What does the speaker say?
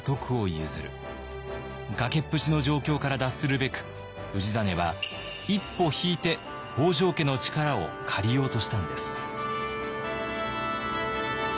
崖っぷちの状況から脱するべく氏真は一歩引いて北条家の力を借りようとしたんです。